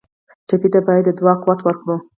ټپي ته باید د دعا قوت ورکړو.